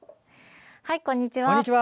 こんにちは。